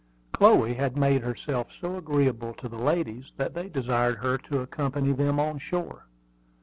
Chloe had made herself so agreeable to the ladies that they desired her to accompany them on shore.